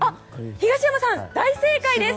東山さん、大正解です！